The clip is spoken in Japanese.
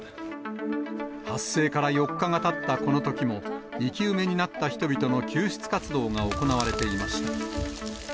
発生から４日がたったこのときも、生き埋めになった人々の救出活動が行われていました。